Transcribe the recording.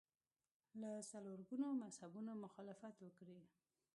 له څلور ګونو مذهبونو مخالفت وکړي